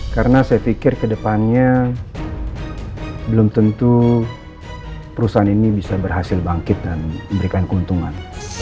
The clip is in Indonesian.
karena saya pikir kedepannya belum tentu perusahaan ini bisa berhasil bangkit dan memberikan keuntungan